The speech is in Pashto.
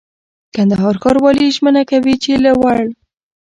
کندهار ښاروالي ژمنه کوي چي له وړ